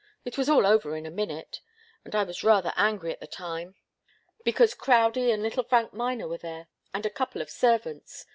It was all over in a minute; and I was rather angry at the time, because Crowdie and little Frank Miner were there, and a couple of servants.